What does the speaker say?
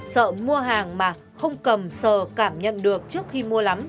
sợ mua hàng mà không cầm sờ cảm nhận được trước khi mua lắm